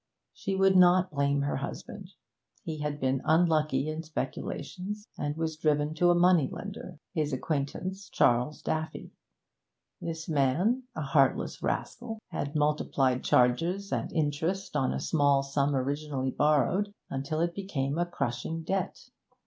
She would not blame her husband. He had been unlucky in speculations, and was driven to a money lender his acquaintance, Charles Daffy. This man, a heartless rascal, had multiplied charges and interest on a small sum originally borrowed, until it became a crushing debt.